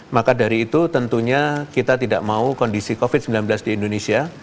maka dari itu tentunya kita tidak mau kondisi covid sembilan belas di indonesia